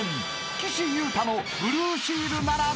［岸優太のブルーシールなら絶対これ］